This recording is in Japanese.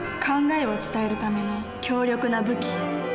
考えを伝えるための強力な武器。